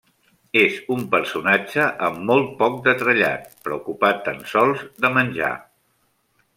És un personatge amb molt poc de trellat, preocupat tan sols de menjar.